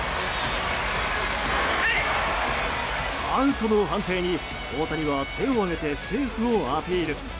アウトの判定に大谷は手を上げてセーフをアピール。